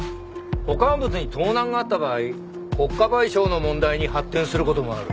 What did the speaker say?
保管物に盗難があった場合国家賠償の問題に発展する事もある。